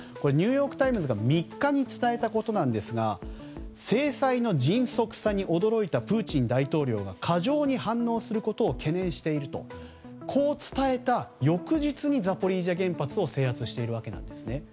ニューヨーク・タイムズが３日に伝えたことですが制裁の迅速さに驚いたプーチン大統領が過剰に反応することを懸念しているとこう伝えた翌日にザポリージャ原発を制圧しているわけなんですね。